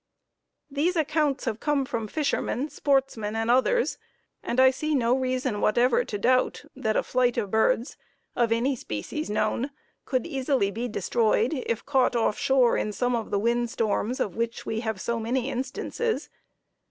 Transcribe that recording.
These accounts have come from fishermen, sportsmen and others, and I see no reason whatever to doubt that a flight of birds of any species known could easily be destroyed if caught off shore in some of the wind storms of which we have so many instances.